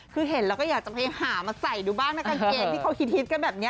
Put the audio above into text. คือเห็นแล้วก็อยากจะไปหามาใส่ดูบ้างนะกางเกงที่เขาฮิตกันแบบนี้